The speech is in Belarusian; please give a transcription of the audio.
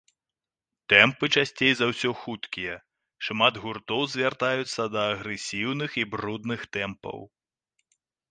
Тэмпы часцей за ўсё хуткія, шмат гуртоў звяртаюцца да агрэсіўных і брудных тэмпаў.